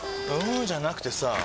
んーじゃなくてさぁ